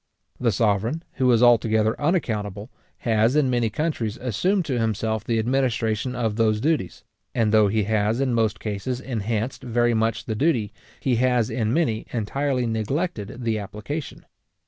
The sovereign, who is altogether unaccountable, has in many countries assumed to himself the administration of those duties; and though he has in most cases enhanced very much the duty, he has in many entirely neglected the application.